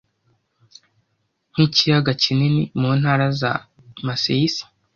nkikiyaga kinini muntara za Masaesy